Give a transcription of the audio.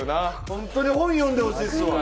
本当に本読んでほしいっすわ。